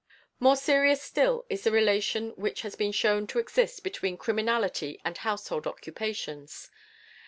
More serious still is the relation which has been shown to exist between criminality and household occupations.